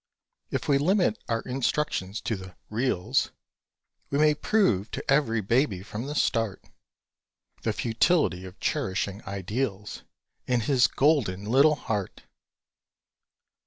If we limit our instruction to the "reals," We may prove to ev'ry baby from the start, The futility of cherishing ideals In his golden little heart!